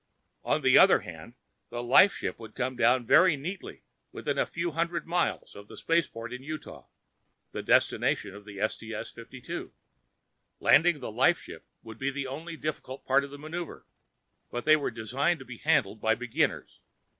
On the other hand, the lifeship would come down very neatly within a few hundred miles of the spaceport in Utah, the destination of the STS 52. Landing the lifeship would be the only difficult part of the maneuver, but they were designed to be handled by beginners.